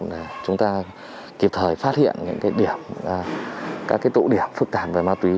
để chúng ta kịp thời phát hiện các tụ điểm phức tạp về ma túy